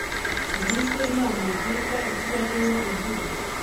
ngizo inama nziza zizatuma ugira